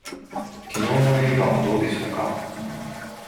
きのうの映画はどうでしたか。